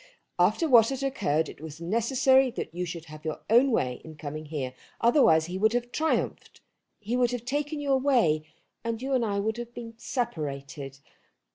"After what had occurred it was necessary that you should have your own way in coming here. Otherwise he would have triumphed. He would have taken you away, and you and I would have been separated.